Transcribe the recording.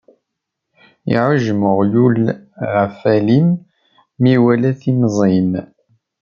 Iɛujjem uɣyul ɣef walim, mi iwala timẓin.